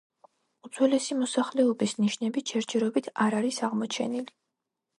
უძველესი მოსახლეობის ნიშნები ჯერჯერობით არ არის აღმოჩენილი.